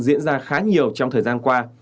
diễn ra khá nhiều trong thời gian qua